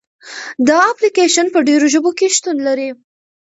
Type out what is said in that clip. دا اپلیکیشن په ډېرو ژبو کې شتون لري.